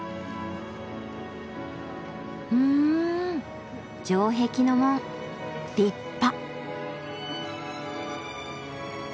うん城壁の門立派！